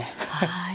はい。